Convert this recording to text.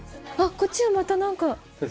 こっちはまた何か違う。